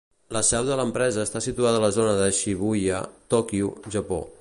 La seu de l'empresa està situada a la zona de Shibuya, Tòquio, Japó.